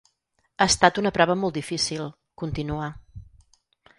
Ha estat una prova molt difícil, continua.